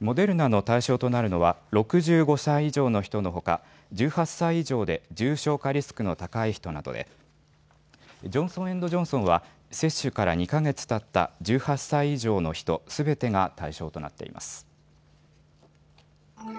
モデルナの対象となるのは６５歳以上の人のほか１８歳以上で重症化リスクの高い人などでジョンソン・エンド・ジョンソンは接種から２か月たった１８歳以上の人すべてが対象となっています。